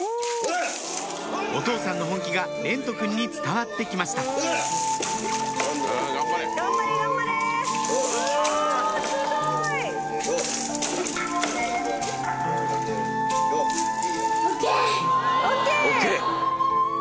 お父さんの本気が蓮和くんに伝わって来ましたＯＫ！ＯＫ！